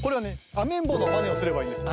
アメンボのまねをすればいいです。